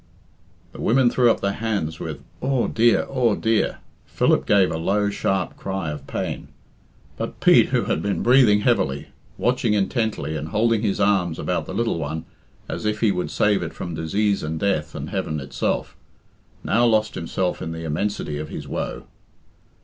The women threw up their hands with "Aw, dear, aw, dear!" Philip gave a low, sharp cry of pain; but Pete, who had been breathing heavily, watching intently, and holding his arms about the little one as if he would save it from disease and death and heaven itself, now lost himself in the immensity of his woe.